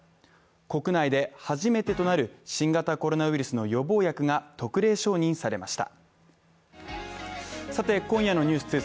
国内で初めてとなる新型コロナウイルスの予防薬が特例承認されました。